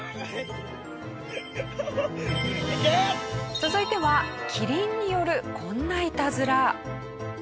続いてはキリンによるこんなイタズラ。